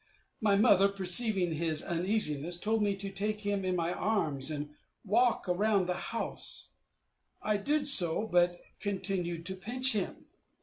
My mother, perceiving his uneasiness, told me to take him in my arms and walk about the house; I did so, but continued to pinch him.